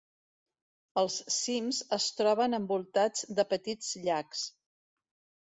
Els cims es troben envoltats de petits llacs.